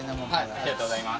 ありがとうございます。